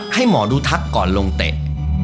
สวัสดีครับ